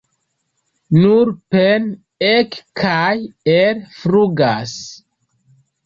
Nur pene ek- kaj el-flugas.